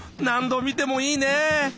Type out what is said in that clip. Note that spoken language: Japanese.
何度見てもいいね。